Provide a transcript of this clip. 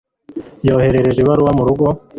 yohereje ibaruwa murugo